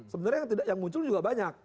sebenarnya yang muncul juga banyak